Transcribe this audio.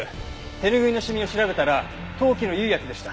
手ぬぐいのシミを調べたら陶器の釉薬でした。